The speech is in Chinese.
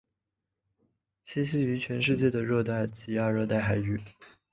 栖息于全世界的热带及亚热带海域。